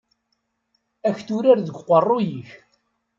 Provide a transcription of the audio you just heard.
Ad k-turar deg uqerruy-ik.